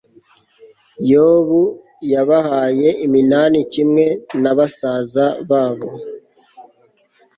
yobu yabahaye iminani kimwe na basaza babo